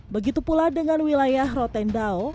begitu pula dengan wilayah rotendao